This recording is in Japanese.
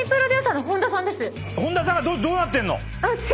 本田さんがどうなってんの？